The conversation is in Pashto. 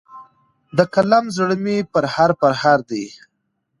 د قلم زړه مي پرهار پرهار دی